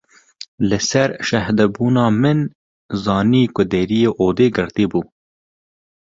Li ser şehdebûna min zanî ko deriyê odê girtî bû.